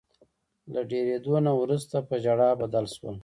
له ډیریدو نه وروسته په ژړا بدل شول.